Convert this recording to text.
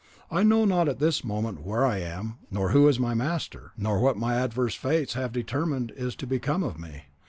I know not at this moment where I am, nor who is my master, nor what my adverse fates have determined is to become of me.